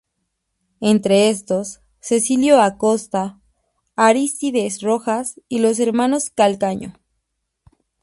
Entre estos, Cecilio Acosta, Arístides Rojas y los hermanos Calcaño.